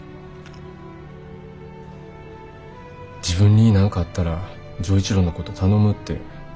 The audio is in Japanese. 自分に何かあったら錠一郎のこと頼むって